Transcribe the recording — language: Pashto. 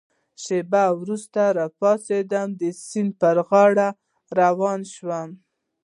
شېبه وروسته را پاڅېدم، د سیند پر غاړه روان شوم.